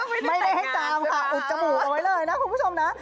ไม่ได้ให้จามค่ะอุดจมูกเอาไว้เลยนะคุณผู้ชมนะ